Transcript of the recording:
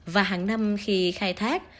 và hàng năm khi khai thác